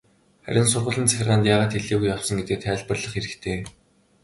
Харин сургуулийн захиргаанд яагаад хэлээгүй явсан гэдгээ тайлбарлах хэрэгтэй.